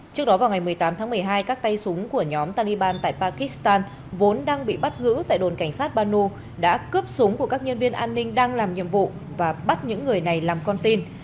trước đó vào ngày một mươi tám tháng một mươi hai các tay súng của nhóm taniban tại pakistan vốn đang bị bắt giữ tại đồn cảnh sát pano đã cướp súng của các nhân viên an ninh đang làm nhiệm vụ và bắt những người này làm con tin